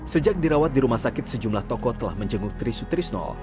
sejak dirawat di rumah sakit sejumlah toko telah menjenguk tri sutrisno